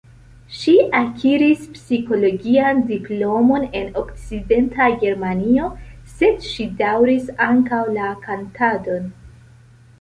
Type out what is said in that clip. Ŝi akiris psikologian diplomon en Okcidenta Germanio, sed ŝi daŭris ankaŭ la kantadon.